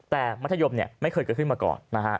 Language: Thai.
แต่มัธยมไม่เคยเกิดขึ้นมาก่อนนะฮะ